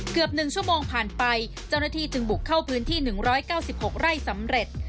เกือบ๑ชั่วโมงผ่านไปเจ้าหน้าที่จึงบุกเข้าพื้นที่๑๙๖ไร่สำเร็จ